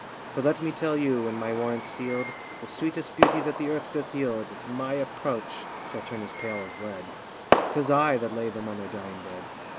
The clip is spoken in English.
For let me tell you, when my warrant's sealed, The sweetest beauty that the earth doth yield At my approach shall turn as pale as lead; 'Tis I that lay them on their dying bed.